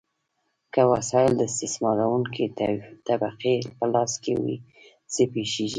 که وسایل د استثمارونکې طبقې په لاس کې وي، څه پیښیږي؟